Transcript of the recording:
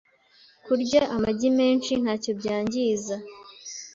kurya amagi menshi ntacyo byangiza